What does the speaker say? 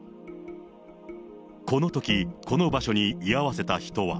このとき、この場所に居合わせた人は。